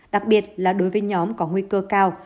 đặc biệt là đối với nhóm có nguy cơ cao